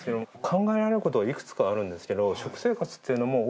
考えられる事はいくつかあるんですけど。